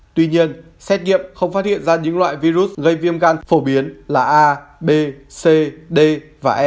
tuy nhiên xét nghiệm không phát hiện ra những loại virus gây viêm gan phổ biến là a b c d và e